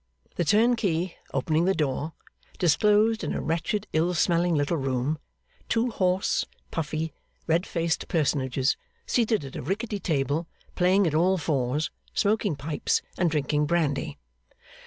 The turnkey, opening the door, disclosed in a wretched, ill smelling little room, two hoarse, puffy, red faced personages seated at a rickety table, playing at all fours, smoking pipes, and drinking brandy.